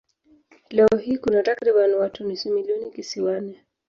Leo hii kuna takriban watu nusu milioni kisiwani.